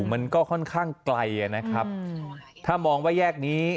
มันก็ค่อนข้างไกลนะครับถ้ามองว่าแยกนี้